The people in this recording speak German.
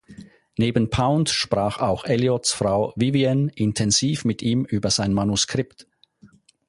Neben Pound sprach auch Eliots Frau Vivienne intensiv mit ihm über sein Manuskript.